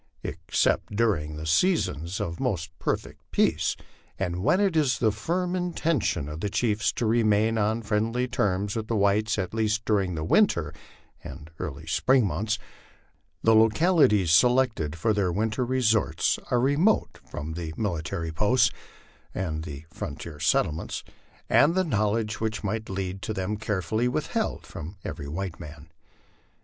Except during seasons of the most perfect peace, and when it is the firm intention of the chiefs to remain on friendly terms with the whites at least during the winter and early spring months, the localities selected for their winter resorts are remote from the mil itary posts and frontier settlements, and the knowledge which might lead to them carefully withheld from every white man.